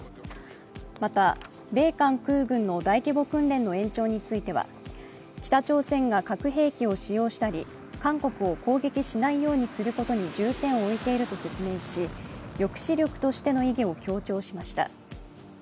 また、米韓空軍の大規模訓練の延長については北朝鮮が核兵器を使用したり韓国を攻撃しないようにすることなどに重点を置いていると説明し、抑止力としての意義を強調しました。